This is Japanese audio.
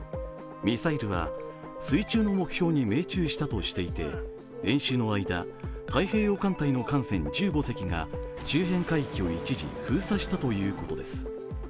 ミサイルは水中の目標に命中したとしていて、演習の間太平洋艦隊の艦船１５隻が周辺海域を一時、封鎖したということです。